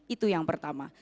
itu yang pertama